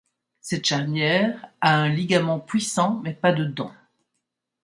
Cette charnière a un ligament puissant mais pas de dents.